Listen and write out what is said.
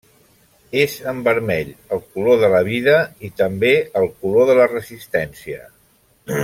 És en vermell, el color de la vida, i també el color de la resistència.